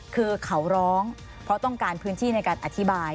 คือเขาร้องเพราะต้องการพื้นที่ในการอธิบาย